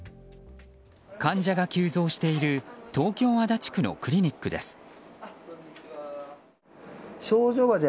患者が急増している東京・足立区のクリニックです。